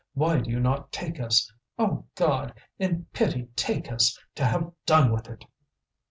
why do you not take us? O God! in pity take us, to have done with it!"